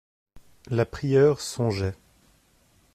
La prieure songeait.